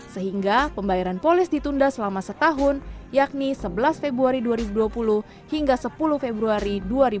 sehingga pembayaran polis ditunda selama setahun yakni sebelas februari dua ribu dua puluh hingga sepuluh februari dua ribu dua puluh